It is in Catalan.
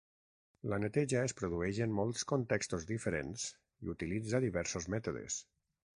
La neteja es produeix en molts contextos diferents i utilitza diversos mètodes.